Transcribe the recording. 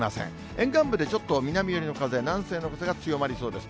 沿岸部でちょっと南寄りの風、南西の風が強まりそうです。